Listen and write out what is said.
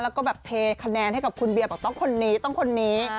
แล้วก็แบบเทคะแนนให้กับคุณเบียร์บอกต้องคนนี้ต้องคนนี้